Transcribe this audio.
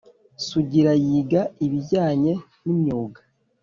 Sugira yiga ibijyanye n’imyuga